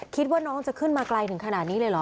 คิดว่าน้องจะขึ้นมาไกลถึงขนาดนี้เลยเหรอ